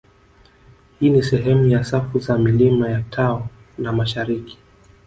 Hii ni sehemu ya safu za milima ya tao la mashariki